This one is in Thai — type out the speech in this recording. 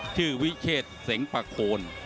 ชื่อวิเชษเสงปะโคน